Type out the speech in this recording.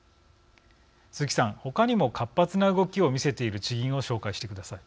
鈴木さんほかにも活発な動きを見せている地銀を紹介してください。